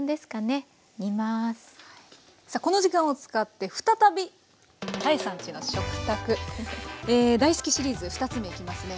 この時間を使って再び「多江さんちの食卓」。大好きシリーズ２つ目いきますね。